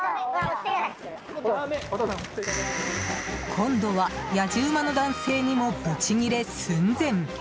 今度はやじ馬の男性にもブチギレ寸前。